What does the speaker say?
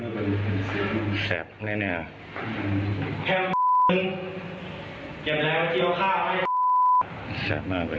น้ำอาจริงสิสาวน้ำหน้าเลย